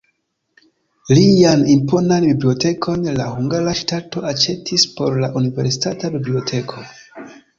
Lian imponan bibliotekon la hungara ŝtato aĉetis por la universitata biblioteko.